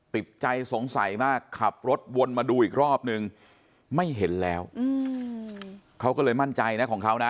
ติดใจสงสัยมากขับรถวนมาดูอีกรอบนึงไม่เห็นแล้วเขาก็เลยมั่นใจนะของเขานะ